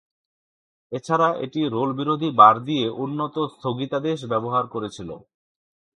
এছাড়া, এটি রোল-বিরোধী বার দিয়ে উন্নত স্থগিতাদেশ ব্যবহার করেছিল।